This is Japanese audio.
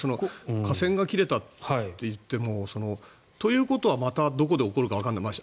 架線が切れたっていってもということはまたどこで起きるかわからない。